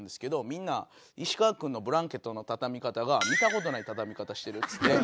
みんな「石川君のブランケットの畳み方が見た事ない畳み方してる」っつって。